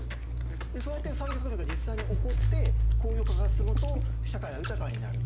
でそうやって産業革命が実際に起こって工業化が進むと社会が豊かになる。